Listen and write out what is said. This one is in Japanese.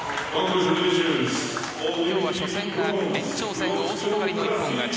今日、初戦は延長戦で大外刈りの一本勝ち。